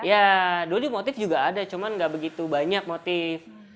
ya dulu motif juga ada cuman gak begitu banyak motif